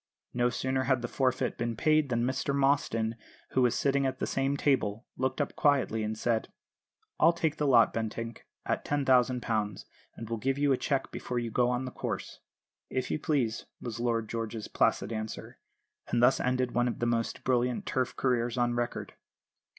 No sooner had the forfeit been paid than Mr Mostyn, who was sitting at the same table, looked up quietly and said: "I'll take the lot, Bentinck, at £10,000, and will give you a cheque before you go on the course." "If you please," was Lord George's placid answer; and thus ended one of the most brilliant Turf careers on record.